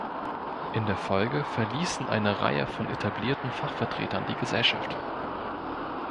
In der Folge verließen eine Reihe von etablierten Fachvertretern die Gesellschaft.